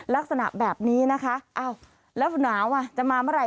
ลักษณะแบบนี้นะคะอ้าวแล้วหนาวอ่ะจะมาเมื่อไห